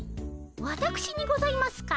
わたくしにございますか？